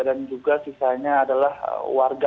dan juga sisanya adalah warga